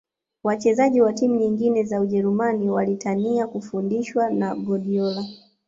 Wachezaji wa timu nyingine za ujerumani walitamani kufundishwa na guardiola